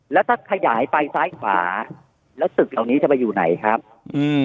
แล้วถ้าขยายไปซ้ายขวาแล้วตึกเหล่านี้จะไปอยู่ไหนครับอืม